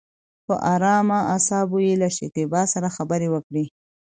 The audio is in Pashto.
په ارامه اصابو يې له شکيبا سره خبرې وکړې.